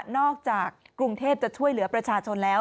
กรุงเทพจะช่วยเหลือประชาชนแล้ว